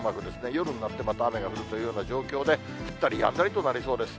夜になってまた雨が降るというような状況で、降ったりやんだりとなりそうです。